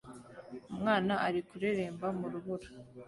Umwana ari kureremba mu rubura